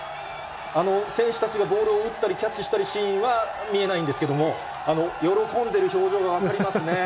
選手たちがボールを打ったりキャッチしたりしているシーンは見えないんですけども、喜んでいる表情が分かりますね。